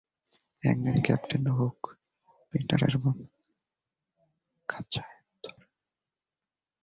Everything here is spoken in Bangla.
একদিন ক্যাপ্টেন হুক পিটারের বন্ধুদের খাঁচায় ধরে।